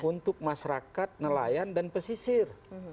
untuk masyarakat nelayan dan pesisir